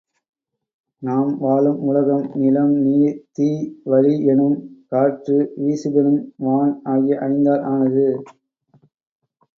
நாம் வாழும் உலகம் நிலம், நீர், தீ, வளி யெனும் காற்று, விசுபெனும் வான் ஆகிய ஐந்தால் ஆனது.